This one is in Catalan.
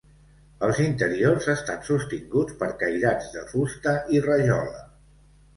Els interiors estan sostinguts per cairats de fusta i rajola.